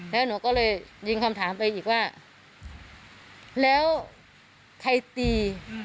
แล้วหนูก็เลยยิงคำถามไปอีกว่าแล้วใครตี